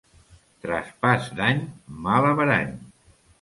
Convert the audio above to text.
Traspàs d'any, mal averany.